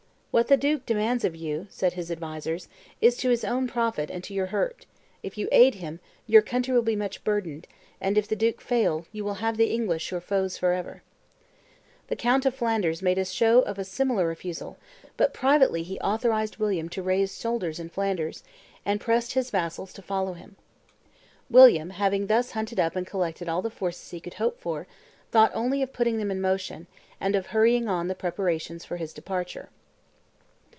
"What the duke demands of you," said his advisers, "is to his own profit and to your hurt; if you aid him, your country will be much burdened; and if the duke fail, you will have the English your foes forever." The count of Flanders made show of a similar refusal; but privately he authorized William to raise soldiers in Flanders, and pressed his vassals to follow him. William, having thus hunted up and collected all the forces he could hope for, thought only of putting them in motion, and of hurrying on the preparations for his departure.